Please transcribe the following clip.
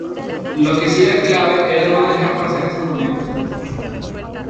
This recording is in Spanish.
Lo que sí era clave era no dejar pasar ese momento.